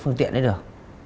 phương tiện đấy được